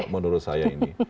menurut saya ini